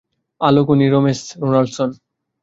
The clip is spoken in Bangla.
অ্যালেক, উনি মিসেস রোনাল্ডসন।